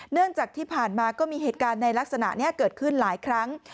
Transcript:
เนื่องจากที่ผ่านมาก็มีเหตุการณ์ในลักษณะนี้เกิดขึ้นหลายครั้ง